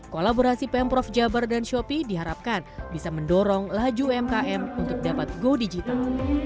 kolaborasi pemprov jabar dan shopee diharapkan bisa mendorong laju umkm untuk dapat go digital